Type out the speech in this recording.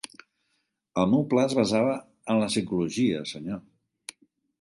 El meu pla es basava en la psicologia, senyor.